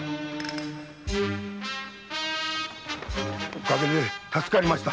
おかげで助かりました。